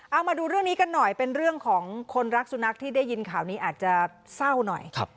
เอามาดูเรื่องนี้กันหน่อยเป็นเรื่องของคนรักสุนัขที่ได้ยินข่าวนี้อาจจะเศร้าหน่อย